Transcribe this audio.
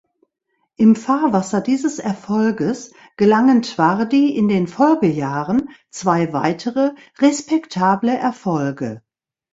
Im Fahrwasser dieses Erfolges gelangen Twardy in den Folgejahren zwei weitere respektable Erfolge.